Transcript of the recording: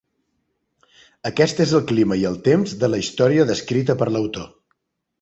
Aquest és el clima i el temps de la història descrita per l'autor.